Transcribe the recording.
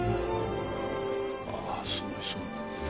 ああすごいすごい。